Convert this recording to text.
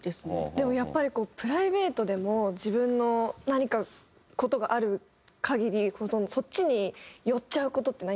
でもやっぱりプライベートでも自分の何か事がある限りそっちに寄っちゃう事ってないんですか？